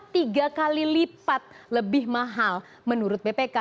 tiga kali lipat lebih mahal menurut bpk